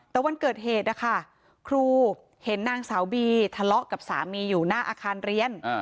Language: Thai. แต่วันเกิดเหตุนะคะครูเห็นนางสาวบีทะเลาะกับสามีอยู่หน้าอาคารเรียน